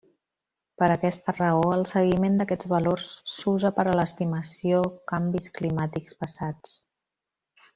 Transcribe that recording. Per aquesta raó, el seguiment d'aquests valors s'usa per a l'estimació canvis climàtics passats.